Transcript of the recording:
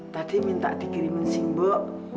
tadi minta dikirimin singbok